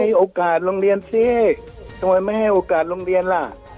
โอกาสโรงเรียนสิทำไมไม่ให้โอกาสโรงเรียนล่ะ